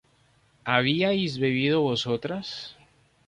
¿habíais bebido vosotras?